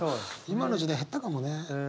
今の時代減ったかもね。